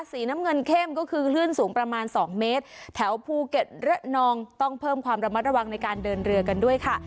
สีน้ำเงินเข้มก็คือคลื่นสูงประมาณสองเมตรแถวภูเก็ตระนองต้องเพิ่มความระมัดระวังในการเดินเรือกันด้วยค่ะ